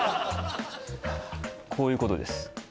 こういうことです